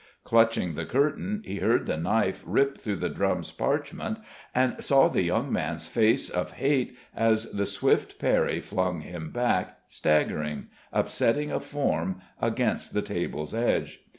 Clutching the curtain, he heard the knife rip through the drum's parchment and saw the young man's face of hate as the swift parry flung him back staggering, upsetting a form, against the table's edge.